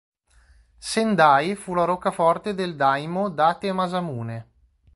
Sendai fu la roccaforte del daimyō Date Masamune.